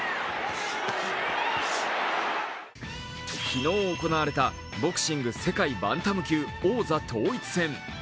昨日行われたボクシング世界バンタム級王座統一戦。